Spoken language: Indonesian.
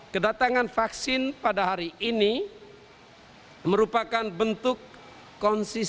kedatangan vaksin pada hari ini merupakan bentuk konsisten